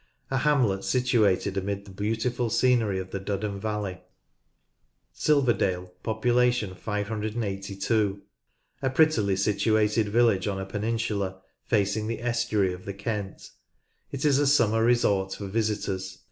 A hamlet situated amid the beautiful scenery of the Duddon valley. Silverdale (582). A prettily situated village on a peninsula, facing the estuary of the Kent. It is a summer resort for visitors.